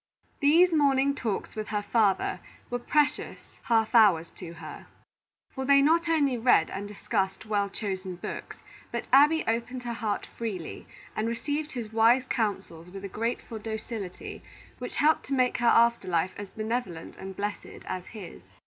These morning talks with her father were precious half hours to her; for they not only read and discussed well chosen books, but Abby opened her heart freely, and received his wise counsels with a grateful docility which helped to make her after life as benevolent and blessed as his.